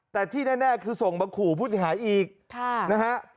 แต่ที่แน่คือส่งมาขู่ผู้เสียหายอีกนะฮะ